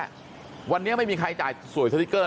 แค่สอบก็ได้วันนี้ไม่มีใครจ่ายสวยสติกเกอร์